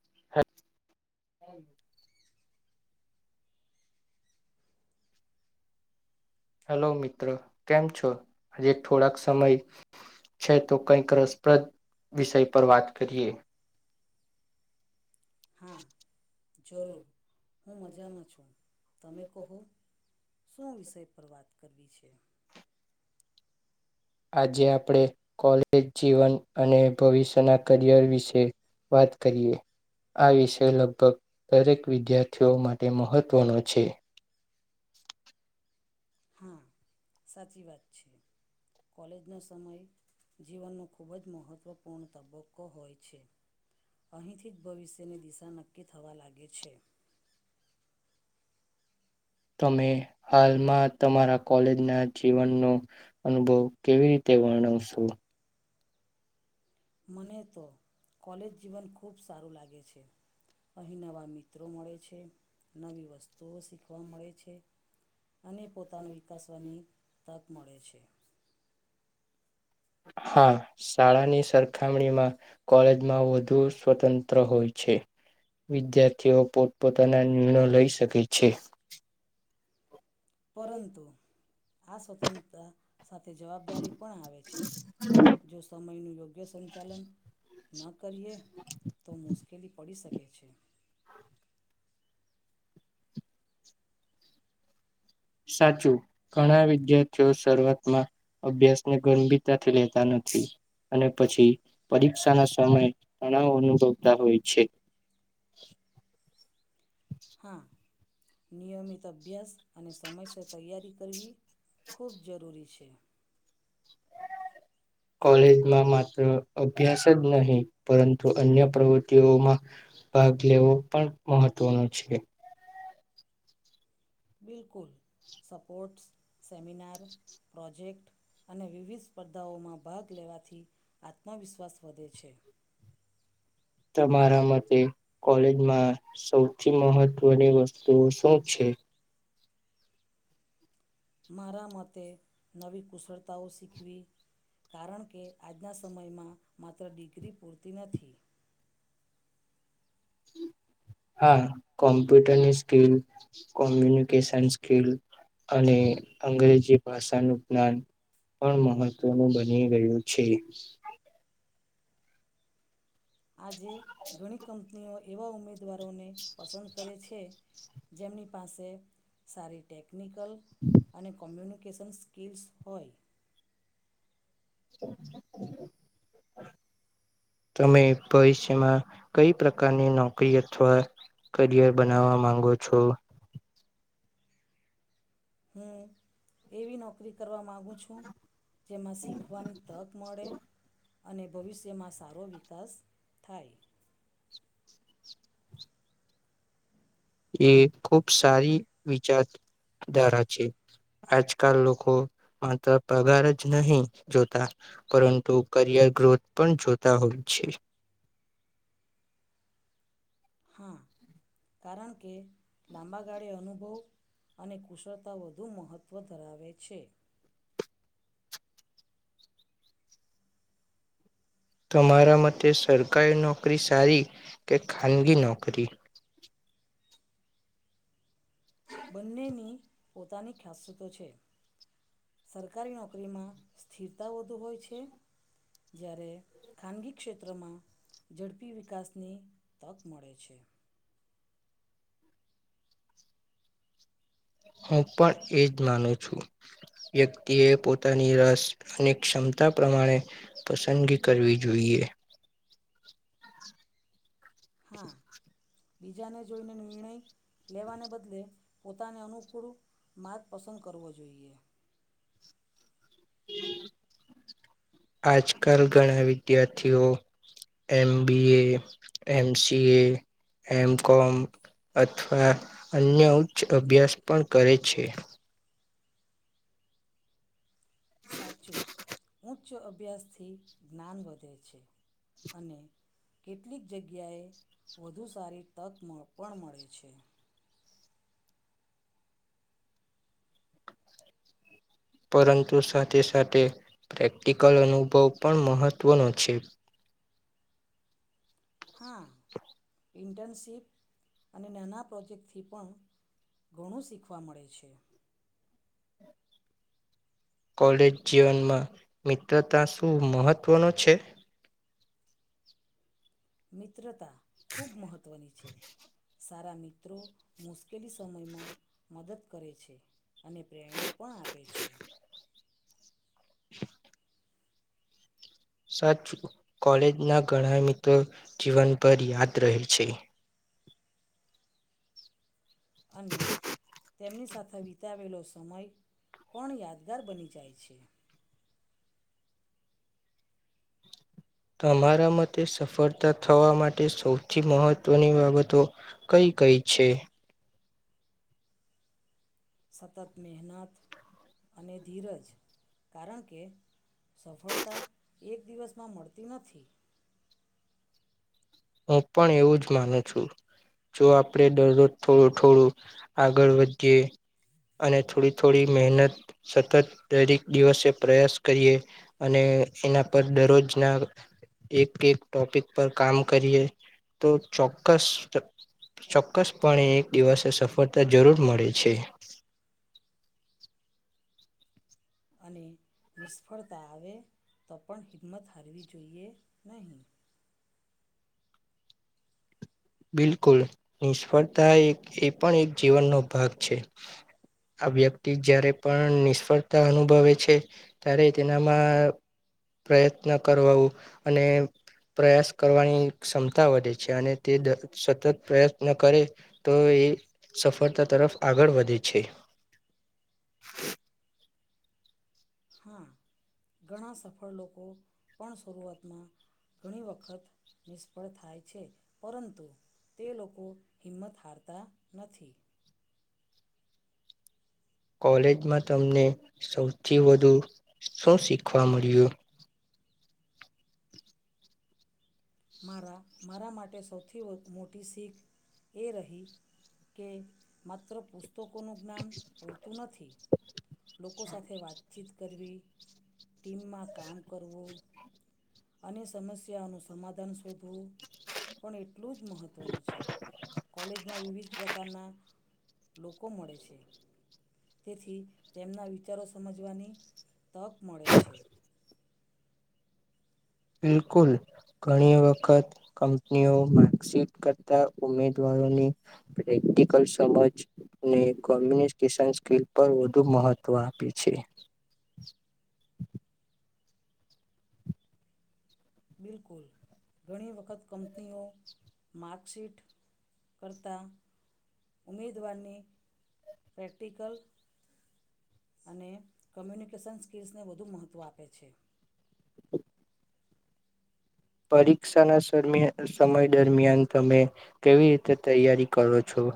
[unintelligible] Hello મિત્ર! કેમ છો? હજેક થોડાક સમય છે તો કંઈક રસપ્રદ વિષય પર વાત કરીએ. હા, જરૂર. હું મજામાં છું. તમે કહો? શું વિષય પર વાત કરવી છે? આજે આપણે કોલેજ જીવન અને ભવિષ્યના કરિયર વિશે વાત કરીએ. આ વિષય લગભગ દરેક વિદ્યાર્થીઓ માટે મહત્વનો છે. હા, સાચી વાત છે. કોલેજનો સમય જીવનનો ખૂબ જ મહત્વપૂર્ણ તબક્કો હોય છે. અહીંથી જ ભવિષ્યની દિશા નક્કી થવા લાગે છે. તમે હાલમાં તમારા કોલેજના જીવનનો અનુભવ કેવી રીતે વર્ણવશો? મને તો કોલેજ જીવન ખૂબ સારું લાગે છે. અહીં નવાં મિત્રો મળે છે. નવી વસ્તુઓ શીખવા મળે છે અને પોતાનું વિકાસવાની તક મળે છે. હા, શાળાની સરખામણીઓમાં કોલેજમાં વધુ સ્વતંત્ર હોય છે. વિદ્યાર્થીઓ પોતપોતાના નિર્ણયો લઈ શકે છે. પરંતુ આ સ્વતંત્તા સાથે જવાબદારી પણ આવે છે. જો સમયનું યોગ્ય સંચાલન [unintelligible] કરીએ તો મુશ્ કેલી પડી શકે છે. સાચું ઘણા વિદ્યાર્થીઓ શરૂઆતમાં અભ્યાસને ગંભીરતાથી લેતા નથી અને પછી પરીક્ષાના સમય તણાવ અનુભવતા હોય છે. હા નિયમિત અભ્યાસ અને સમયસર તૈયારી કરવી ખૂબ જરૂરી છે. કોલેજમાં માત્ર અભ્યાસ જ નહીં પરંતુ અન્ય પ્રવૃતિઓમાં ભાગ લેવો પણ મહત્વનો છે. બિલકુલ સપોર્ટ્સ સેમિનાર પ્રોજેક્ટ અને વિવિધ સ્પર્ધાઓમાં ભાગ લેવાથી આત્મવિશ્વાસ વધે છે. તમારા મતે કોલેજમાં સૌથી મહત્વની વસ્તુઓ શું છે. મારા મતે નવી કુશળતાઓ શીખવી કારણ કે આજના સમયમાં માત્ર ડિગ્રી પૂરતી નથી. હા કોમ્પ્યુટરની સ્કિલ કોમ્યુનિકેશન સ્કિલ અને અંગ્રેજી ભાષાનું જ્ઞાન પણ મહત્વનું બની ગયું છે. આજે ઘણી કંની [unintelligible] એવા ઉમેદ [unintelligible] ઉમેદવારોને પસંદ કરે છે [unintelligible] જેમની પાસે સારી ટેક [unintelligible] ટેકનિકલ અને કોમ્યુનિક [unintelligible] કેશન સ્કિલ્સ હોય તમે ભવિષ્યમાં કઈ પ્રકારની નોકરી અથવા કરિયર બનાવવા માંગો છો. હું એવી નોકરી કરવા માગુ છું. જેમાં શીખવાની તક મળે અને ભવિષ્યમાં સારો વિકાસ થાય. એ ખૂબ સારી વિચારધારા છે આજકાલ લોકો માત્ર પગાર જ નહી જોતા પરંતુ કરિયર ગ્રોથ પણ જોતા હોય છે. હા કારણ કે લાંબા ગાળે અનુભવ અને કુશળતા વધુ મહત્વ ધરાવે છે. તમારા મતે સરકારી નોકરી સારી કે ખાનગી નોકરી. બંનેની પોતાની ખાસિયતો છે સરકારી નોકરીમાં સ્થિરતા વધુ હોય છે જ્યારે ખાનગી ક્ષેત્રમાં ઝડપી વિકાસની તક મળે છે. હું પણ એ જ માનું છું, વ્યક્તિ એ પોતાની રસ અને ક્ષમતા પ્રમાણે, પસંદગી કરવી જોઈએ. હા [inaudible] બીજાને જોઈને નિર્ણય લેવાને બદલે પોતાને અનુકૂળ માર્ગ પસંદ કરવો જોઈએ. આજકાલ ઘણા વિદ્યાર્થીઓ એમ બી એ, એમ સી એ, એમ કોમ, અથવા અન્ય ઉચ્ચ અભ્યાસ પણ કરે છે. સાચું ઉચ્ચ અભ્યાસથી જ્ઞાન વધે છે, અને કેટલીક જગ્યાએ વધુ સારી તક પણ મળે છે. પરંતુ સાથે સાથે પ્રેક્ટિકલ અનુભવ પણ મહત્ત્વનો છે. હા, ઇન્ટર્નશીપ અને નાના પ્રોજેક્ટથી પણ ઘણું શીખવા મળે છે. કોલેજ જીવનમાં મિત્રતા શું મહત્વનો છે? મિત્રતા. ખૂબ મહત્વની છે. સારા મિત્રો મુશ્કેલી સમયમાં મદદ કરે છે, અને પ્રેરણા પણ આપે છે. [inaudible] સાચૂ, કોલેજના ઘણા મિત્રો જીવનભર યાદ રહે છે. અને તેમની સાથે વિતાવેલો સમય પણ યાદગાર બની જાય છે. તમારા મતે સફળતા થવા માટે સૌથી મહત્વની બાબતો, કઈ કઈ છે. સતત મહેનત અને ધીરજ કારણ કે સફળતા એક દિવસમાં મળતી નથી. હું પણ એવું જ માનું છું જો આપણેે દરરોજ થોડું થોડું આગળ વધીએ અને થોડી થોડી મહેનત સતત દરેક દિવસે પ્રયાસ કરીએ અને એના પર દરરોજના એક એક ટોપિક પર કામ કરીએ તો ચોક્કસપણે એક દિવસે સફળતા જરૂર મળે છે. અને નિષ્ફળતા આવે તો પણ હિંમત હારવી જોઈએ નહીં. બિલકુલ, નિષ્ફળતા એક એ પણ એક જીવનનો ભાગ છે આ વ્યક્તિ જ્યારે પણ નિષ્ફળતા અનુભવે છે, ત્યારે તેનામાં પ્રયત્ન કરવાું અને પ્રયાસ કરવાની ક્ષમતા વધે છે અને તે સતત પ્રયત્ન કરે તો એ સફળતા તરફ આગળ વધે છે. હા. ઘણા સફળ લોકો પણ શરૂઆતમાં ઘણી વખત નિષ્ફળ થાય છે, પરંતુ તે લોકો હિંમત હારતા નથી. કોલેજમાં તમને સૌથી વધુ શું શીખવા મળ્યું? મારા-મારા માટે સૌથી વ મોટી શીખ એ રહી કે માત્ર પુસ તકોનું જ્ઞાન પૂરતું નથી. લોકો સાથે વાતચીત કરવી, ટીમમાં કામ કરવું, અને સમસ્યાઓનું સમાધ ધાન શોધવું પણ એટલું જ મહત્ત્વનું છે. કોલેજમાં વિવિધ પ્રકારના લોકો મળે છે. તેથી તેમના વિચારો સમજવાની તક મળે છે. બિલકુલ. ઘણી વખત કંપનીઓ માર્કશીટ કરતા ઉમેદવારોની પ્રેક્ટિકલ સમજ અને કોમ્યુનિકેશન સ્કિલ પર વધુ મહત્ત્વ આપે છે. બિલકુલ. ઘણી વખત કંપનીઓ માર્કશીટ કરતાં ઉમેદવારની પ્રેક્ટિકલ અને કમ્યુનિકેશન સ્કિલ્સને વધુ મહત્ત્વ આપે છે. પરીક્ષાના સરમિયા સમય દરમિયાન તમે કેવી રીતે તૈયારી કરો છો?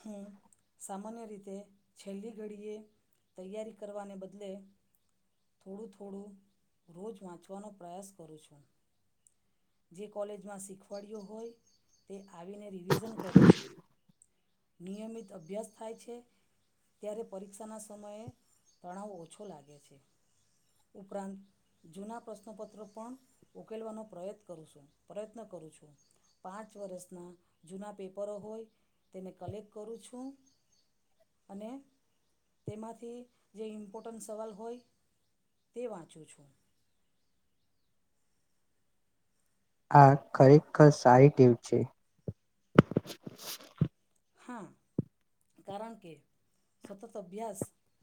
હું સામાન્ય રીતે છેલ્લી ઘડીએ તૈયારી કરવાને બદલે થોડું-થોડું રોજ વાંચવાનો પ્રયાસ કરું છું. જે કોલેજમાં શીખવાડયો હોય, તે આવીને રિવિઝન કરું છું. નિયમિત અભ્યાસ થાય છે, ત્યારે પરીક્ષાના સમયે તણાવ ઓછો લાગે છે. ઉપરાંત જૂના પ્રશ્નોપત્રો પણ ઉકેલવાનો પ્રયત કરું છું, પ્રયત્ન કરું છું. પાંચ વર્ષના જૂના પેપરો હોય તેને કલેક્ટ કરું છું, અને તેમાંથી જે ઇમ્પોટન્ટ સવાલ હોય તે વાંચું છું. આ ખરેખર સારી ટેવ છે. હા. કારણ કે સતત અભ્યાસ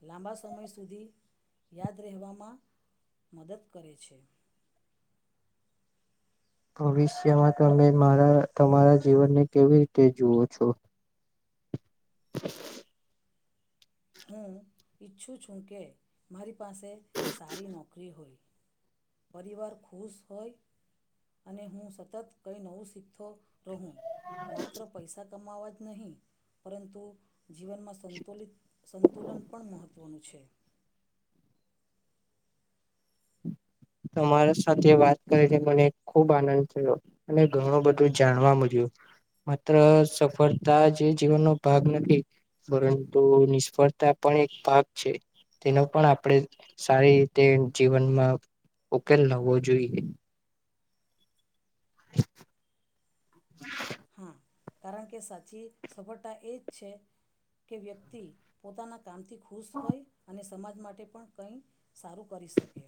લાંબા સમય સુધી યાદ રહેવામાં મદદ કરે છે. ભવિષ્યમાં તમે મારા તમારા જીવનને કેવી રીતે જુઓ છો? [inaudible] હું ઈચ્છું છું કે મારી પાસે સારી નોકરી હોય પરિવાર ખુશ હોય, અને હું સતત કંઈ નવું શીખતો રહું. માત્ર પૈસા કમાવા જ નહીં, પરંતુ જીવનમાં સંતુલિત સંતુલન પણ મહત્ત્વનું છે. તમારા સાથે વાત કરીને મને ખૂબ આનંદ થયો, અને ઘણું બધું જાણવા મળ્યું માત્ર સફળતા જે જીવનનો ભાગ નથી, પરંતુ નિષ્ફળતા પણ એક ભાગ છે, તેનો પણ આપણે સારી રીતે જીવનમાં ઉકેલ લાવવો જોઈએ. [inaudible] હા કારણ કે સાચી સફળતા એ જ છે, કે વ્યક્તિ પોતાના કામથી ખુશ હોય અને સમાજ માટે પણ કંઈ સારું કરી શકે.